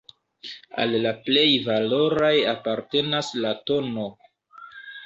Al la plej valoraj apartenas la tn.